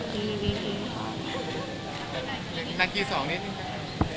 แล้วก็นั่งคือสองซ์มานี่